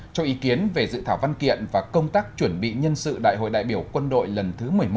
cho ý kiến về dự thảo văn kiện và công tác chuẩn bị nhân sự đại hội đại biểu quân đội lần thứ một mươi một